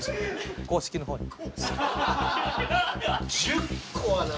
１０個はな。